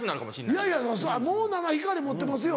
いやいやもう七光り持ってますよ。